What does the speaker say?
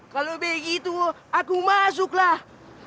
kalau begitu aku masuklah